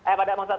eh pada masa